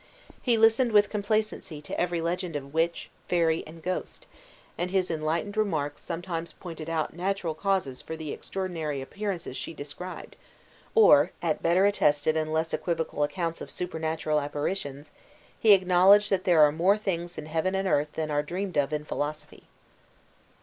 He listened with complacency to every legend of witch, fairy, and ghost; and his enlightened remarks sometimes pointed out natural causes for the extraordinary appearances she described; or, at better attested and less equivocal accounts of supernatural apparitions, he acknowledged that there are "more things in heaven and earth than are dreamed of in philosophy."